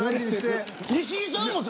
石井さんも。